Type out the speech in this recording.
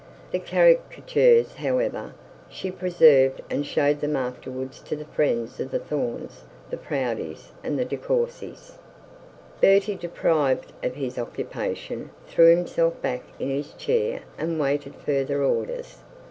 The caricature, however, she preserved, and showed them afterwards to the friends of the Thornes, the Proudies, and De Courcys. Bertie, deprived of his occupation, threw himself back in his chair and waited further orders.